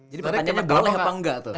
jadi pertanyaannya boleh apa enggak tuh